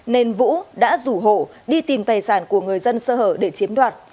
nên vũ đã rủ hộ đi tìm tài sản của người dân sơ hở để chiếm đoạt